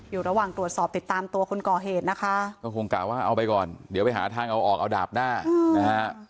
อยู่ระหว่างตรวจสอบติดตามตัวคนก่อเหตุนะคะก็คงกล่าวว่าเอาไปก่อนเดี๋ยวไปหาทางเอาออกเอาดาบหน้านะฮะ